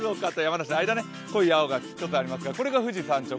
濃い青がちょっとありますが、これが富士山頂。